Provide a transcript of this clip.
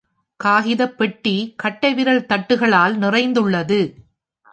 காகித பெட்டி கட்டைவிரல் தட்டுக்களால் நிறைந்துள்ளது.